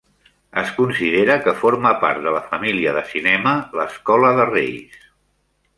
Es considera que forma part de la família de cinema "L'Escola de Reis".